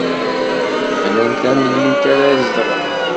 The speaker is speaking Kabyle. Bnan tamdint ara zedɣen.